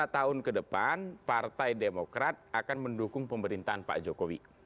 lima tahun ke depan partai demokrat akan mendukung pemerintahan pak jokowi